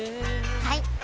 はい！